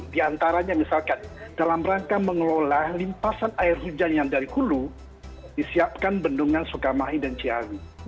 di antaranya misalkan dalam rangka mengelola limpasan air hujan yang dari hulu disiapkan bendungan sukamahi dan ciawi